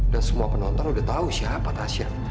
dan semua penonton udah tahu siapa tasya